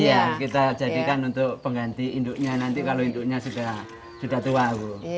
iya kita jadikan untuk pengganti hinduknya nanti kalau hinduknya sudah tua bu